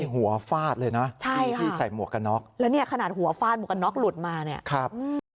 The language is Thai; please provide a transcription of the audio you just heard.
หัวฟาดเลยนะใช่ค่ะที่ใส่หมวกกันน็อกแล้วเนี่ยขนาดหัวฟาดหมวกกันน็อกหลุดมาเนี่ยครับ